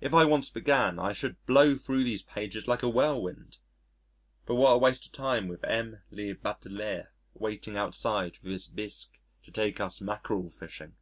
If I once began I should blow thro' these pages like a whirlwind.... But what a waste of time with M. le batelier waiting outside with his bisque to take us mackerel fishing!...